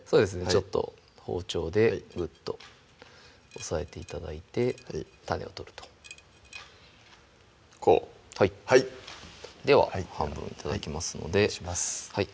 ちょっと包丁でグッと押さえて頂いて種を取るとこうはいでは半分頂きますのでお願いします